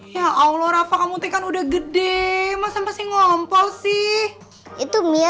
ya allah rafa kamu tekan udah gede masa masih ngomong polsi itu mia